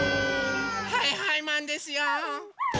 はいはいマンですよ！